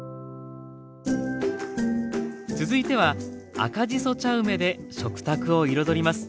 続いては赤じそ茶梅で食卓を彩ります。